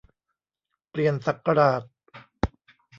เปลี่ยนศักราช